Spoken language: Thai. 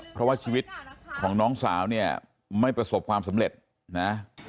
เพราะว่าชีวิตของน้องสาวเนี่ยไม่ประสบความสำเร็จนะ